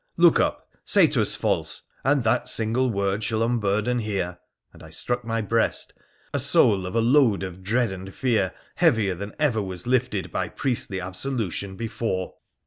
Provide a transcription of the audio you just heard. Look up, say 'twas false, and that single word shall unburden here,' and I struck my breast, ' a soul of a load of dread and fear heavier than ever was lifted by priestly absolution before.'